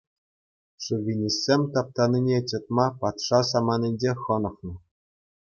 Шовинистсем таптанине чӑтма патша саманинчех хӑнӑхнӑ.